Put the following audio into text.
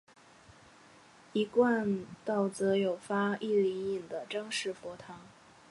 一贯道则有发一灵隐的张氏佛堂。